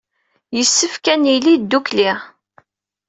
Yessefk ad nili ddukkli.